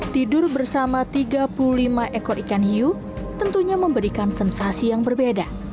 tidur bersama tiga puluh lima ekor ikan hiu tentunya memberikan sensasi yang berbeda